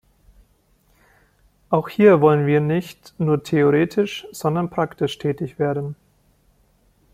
Auch hier wollen wir nicht nur theoretisch, sondern praktisch tätig werden.